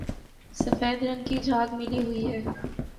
سفید رنگ کی جھاگ ملی ہوئی ہے